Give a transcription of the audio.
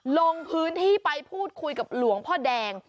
ลงพื้นที่ไปพูดคุยกับหลวงพ่อแดง